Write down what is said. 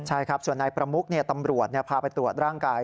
ใช่ครับส่วนนายประมุกตำรวจพาไปตรวจร่างกาย